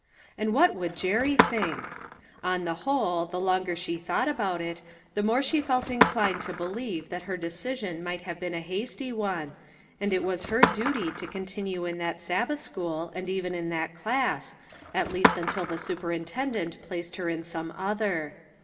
And what would Jerry think ? On the whole, the longer she thought about it, the more she felt inclined to believe that her decision might have been a hasty one, and it was her duty to continue in that Sabbath school, and even in that class, at least until the superintendent placed her in some other.